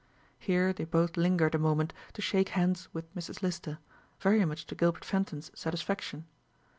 Here they both lingered a moment to shake hands with Mrs. Lister, very much to Gilbert Fenton's satisfaction.